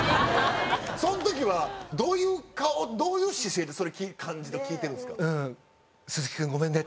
そん時はどういう顔どういう姿勢でそれ聞いてるんですか？